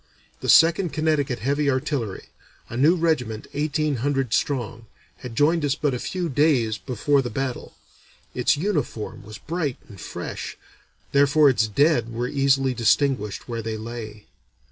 The Second Connecticut Heavy Artillery, a new regiment eighteen hundred strong, had joined us but a few days before the battle. Its uniform was bright and fresh; therefore its dead were easily distinguished where they lay.